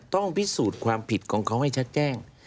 ต้องพิสูจน์ความผิดของเขาให้ชัดแจ้ง